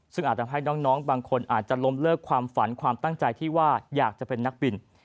ซึ่งอาจทำให้น้องบางคนอาจจะล้มเลิกความฝันความตั้งใจที่ว่าอยากจะเป็นนักบิน